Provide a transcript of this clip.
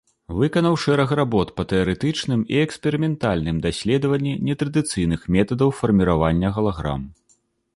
Выканаў шэраг работ па тэарэтычным і эксперыментальным даследаванні нетрадыцыйных метадаў фарміравання галаграм.